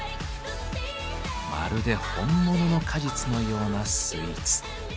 まるで本物の果実のようなスイーツ。